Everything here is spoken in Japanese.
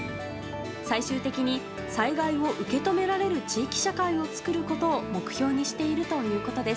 最終的に、災害を受け止められる地域社会を作ることを目標にしているということです。